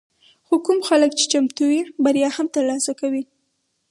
خو کوم خلک چې چمتو وي، بریا هم ترلاسه کوي.